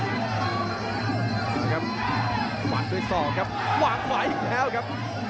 ตะเบาทองก็หวะด้วยซ่อครับเวลาให้ขวาอีกครับ